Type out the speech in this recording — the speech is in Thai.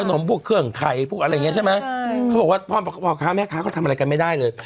นมพวกเครื่องไข่พวกอะไรอย่างเงี้ใช่ไหมใช่เขาบอกว่าพ่อพ่อค้าแม่ค้าเขาทำอะไรกันไม่ได้เลย